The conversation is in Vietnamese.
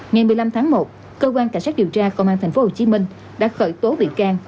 ngày một mươi năm tháng một cơ quan cảnh sát điều tra công an tp hcm đã khởi tố bị can